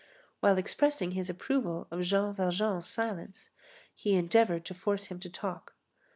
While expressing his approval of Jean Valjean's silence, he endeavored to force him to talk.